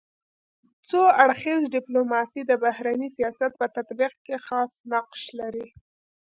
څو اړخیزه ډيپلوماسي د بهرني سیاست په تطبیق کي خاص نقش لري.